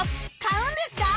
買うんですか？